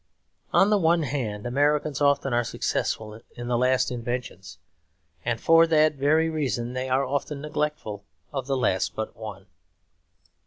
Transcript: On the one hand, Americans often are successful in the last inventions. And for that very reason they are often neglectful of the last but one.